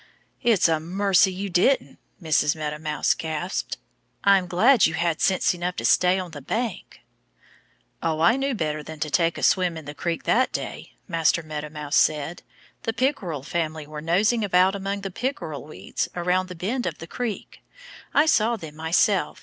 "It's a mercy you didn't,". Mrs. Meadow Mouse gasped. "I'm glad you had sense enough to stay on the bank." "Oh, I knew better than to take a swim in the creek that day," Master Meadow Mouse said. "The Pickerel family were nosing about among the pickerel weeds around the bend of the creek. I saw them myself.